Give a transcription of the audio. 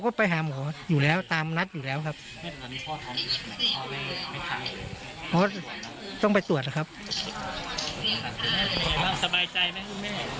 คุณแม่เป็นไงบ้างสบายใจไหมคุณแม่